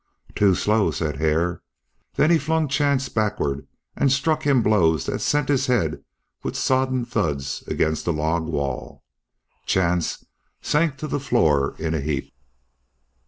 "Too slow," said Hare. Then he flung Chance backward and struck him blows that sent his head with sodden thuds against the log wall. Chance sank to the floor in a heap.